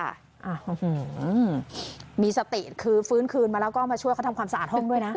อ่ามีสติคือฟื้นคืนมาแล้วก็มาช่วยเขาทำความสะอาดห้องด้วยนะ